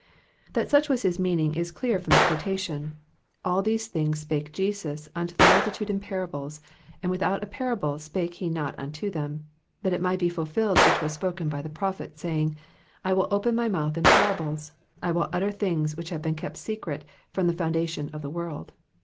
'' That such was his meaning is clear from the quotation, ^^ All these things spake Jesus unto the multitude in parables ; and without a parable spake he not unto them : thiit it might be fulfilled which was spoken by the prophet, saying, I will o|)en my mouth in parables ; I will utter things which have been kept secret from the foundation of the world."